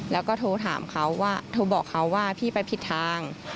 แล้วก็โทรถามเขาว่าโทรบอกเขาว่าพี่ไปผิดทาง